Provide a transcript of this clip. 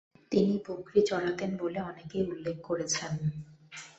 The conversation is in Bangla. তিনি বকরি চরাতেন বলে অনেকেই উল্লেখ করেছেন।